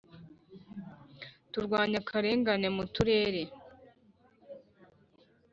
kurwanya akarengane mu Turere